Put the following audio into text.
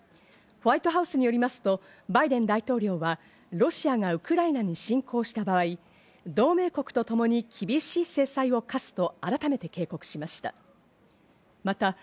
ホワイトハウスによりますとバイデン大統領はロシアがウクライナに侵攻した場合、同盟国とともに厳しい制裁を科すと改めて警告しました。